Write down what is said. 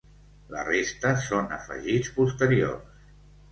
La resta són afegits posteriors.